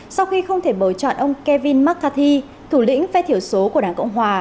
sau khi không thể bầu chọn ông kevin mccarthy thủ lĩnh phe thiểu số của đảng cộng hòa